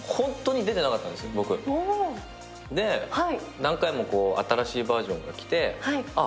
何回も新しいバージョンが来てあっ